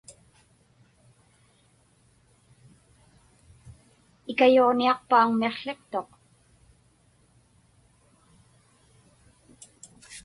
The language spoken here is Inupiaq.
Ikayuġniaqpauŋ miqłiqtuq?